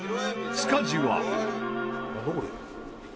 塚地は？